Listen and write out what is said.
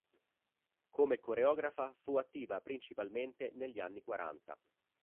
Come coreografa, fu attiva principalmente negli anni quaranta.